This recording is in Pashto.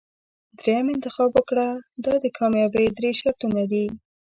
دریم انتخاب وکړه دا د کامیابۍ درې شرطونه دي.